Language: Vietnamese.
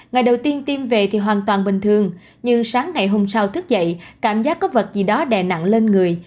ngày đầu tiên tiêm về thì hoàn toàn bình thường nhưng sáng ngày hôm sau thức dậy cảm giác có vật gì đó đè nặng lên người